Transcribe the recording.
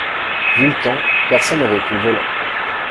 Vu le temps, personne n’avait pris le volant.